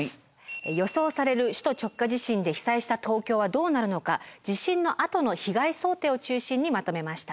予想される首都直下地震で被災した東京はどうなるのか地震のあとの被害想定を中心にまとめました。